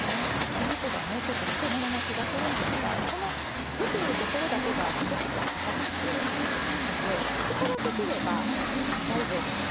この子がねちょっとくせ者な気がするんですがこの出ているところだけが太くてかたくて大きいのでここだけ切れば大丈夫です。